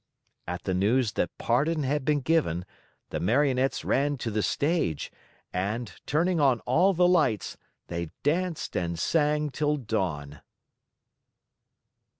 At the news that pardon had been given, the Marionettes ran to the stage and, turning on all the lights, they danced and sang till dawn.